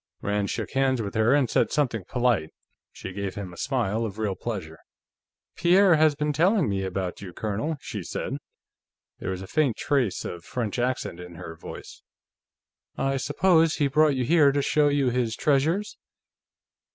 Rand shook hands with her, and said something polite. She gave him a smile of real pleasure. "Pierre has been telling me about you, Colonel," she said. There was a faint trace of French accent in her voice. "I suppose he brought you here to show you his treasures?"